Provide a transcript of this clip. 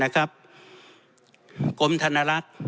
กรมธนรัฐ